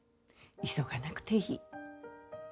急がなくていい。